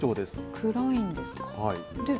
暗いんですか。